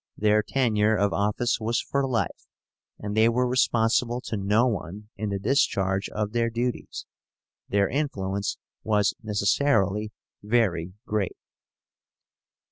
Their tenure of office was for life, and they were responsible to no one in the discharge of their duties. Their influence was necessarily very great.